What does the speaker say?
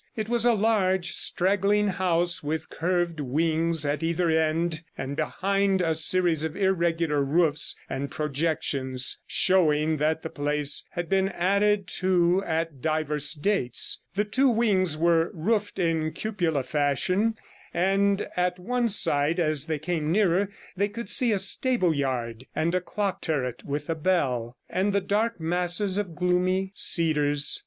It was a large, straggling house, with curved wings at either end, and behind a series of irregular roofs and projections, showing that the place had been added to at divers dates; the two wings were roofed in cupola fashion, and at one side, as they came nearer, they could see a stableyard, and a clock turret with a bell, and the dark masses of gloomy cedars.